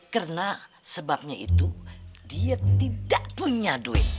karena sebabnya itu dia tidak punya duit